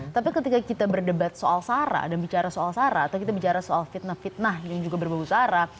tapi ketika kita berdebat soal sara dan bicara soal sara atau kita bicara soal fitnah fitnah yang juga berbau sara